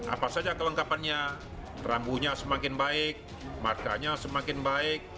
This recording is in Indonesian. apa saja kelengkapannya rambunya semakin baik markanya semakin baik